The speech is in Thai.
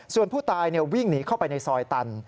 ส่วนผู้ตายวิ่งหนีเข้าไปในซอยตัน